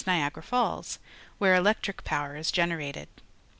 is A'iagara Falls, where electric power is generated.